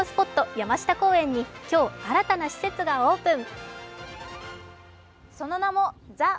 山下公園に、今日、新たな施設がオープン。